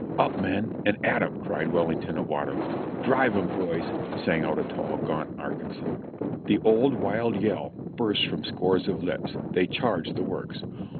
"Up, men, and at them !" cried Wellington at Waterloo. "Drive 'em, boys!" sang out a tall, gaunt Arkansan. The old wild yell burst from scores of lips. They charged the works